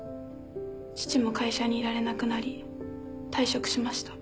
父も会社にいられなくなり退職しました。